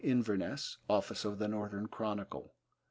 (Inverness: Office of the Northern Chronicle.)